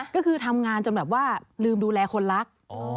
ก็คือทำงานจนแบบว่าลืมดูแลคนรัก